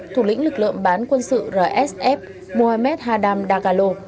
thủ lĩnh lực lượng bán quân sự rsf mohammed hadam dagalo